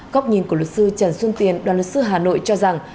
góc nhìn của luật sư trần xuân tiền đoàn luật sư hà nội cho rằng